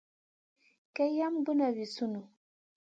Kay yam guna vi sunù.